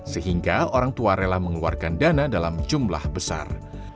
sehingga orang tua rela mengeluarkan dana dalam jumlah besar